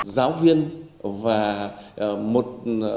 giáo viên và một số những nhà quản lý